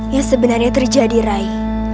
yang sebenarnya terjadi rai